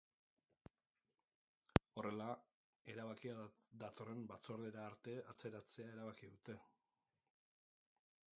Horrela, erabakia datorren batzordera arte atzeratzea erabaki dute.